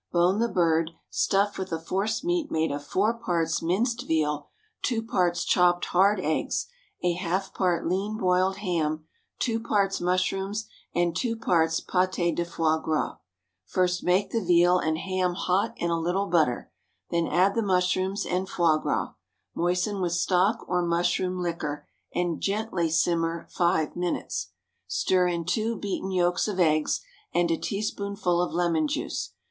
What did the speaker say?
Bone the bird; stuff with a force meat made of four parts minced veal, two parts chopped hard eggs, a half part lean boiled ham, two parts mushrooms, and two parts pâté de foie gras. First make the veal and ham hot in a little butter, then add the mushrooms and foie gras; moisten with stock or mushroom liquor, and gently simmer five minutes. Stir in two beaten yolks of eggs and a teaspoonful of lemon juice.